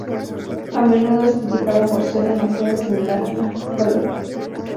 A menudo es criticado por ser "demasiado similar" a Halloween.